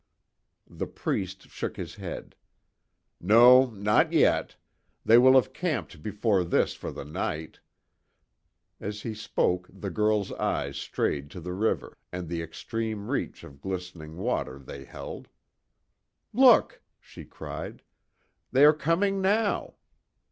The priest shook his head: "No, not yet. They will have camped before this for the night." As he spoke the girl's eyes strayed to the river, and at the extreme reach of glistening water, they held: "Look!" she cried, "They are coming, now!"